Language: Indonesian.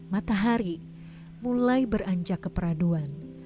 matahari mulai beranjak keperaduan